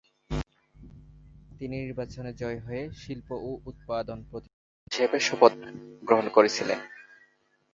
তিনি নির্বাচনে জয়ী হয়ে শিল্প ও উৎপাদন প্রতিমন্ত্রী হিসাবে শপথ গ্রহণ করেছিলেন।